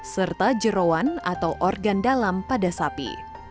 serta jerawan atau organ dalam pada sapi